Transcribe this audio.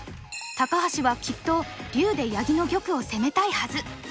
高橋はきっと竜で八木の玉を攻めたいはず。